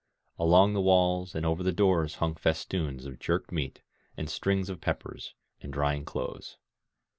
Along the walls and over the doors hung festoons of jerked meat, and strings of peppers, and drying clothes.